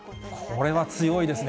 これは強いですね。